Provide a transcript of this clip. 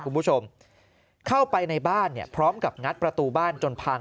คุณผู้ชมเข้าไปในบ้านเนี่ยพร้อมกับงัดประตูบ้านจนพัง